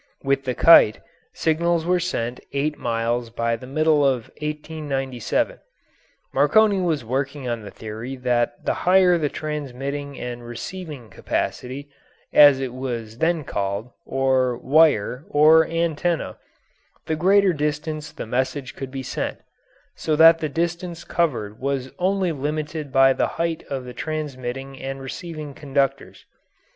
With the kite, signals were sent eight miles by the middle of 1897. Marconi was working on the theory that the higher the transmitting and receiving "capacity," as it was then called, or wire, or "antenna," the greater distance the message could be sent; so that the distance covered was only limited by the height of the transmitting and receiving conductors.